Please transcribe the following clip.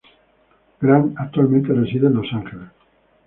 Gant actualmente reside en Los Ángeles.